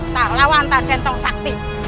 tak lawan tak centong sakti